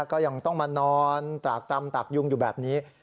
ก็ยังต้องมานอนตากตรำตากยุงอยู่แบบนี้